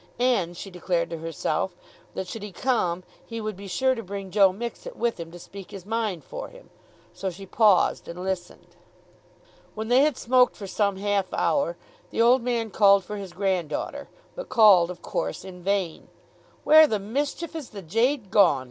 And, she declared to herself, that should he come he would be sure to bring Joe Mixet with him to speak his mind for him. So she paused and listened. When they had smoked for some half hour the old man called for his granddaughter, but called of course in vain. "Where the mischief is the jade gone?"